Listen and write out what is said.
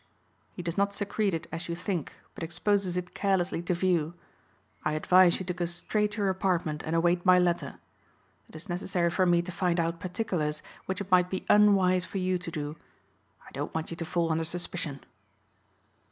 He does not secrete it as you think but exposes it carelessly to view. I advise you to go straight to your apartment and await my letter. It is necessary for me to find out particulars which it might be unwise for you to do. I don't want you to fall under suspicion."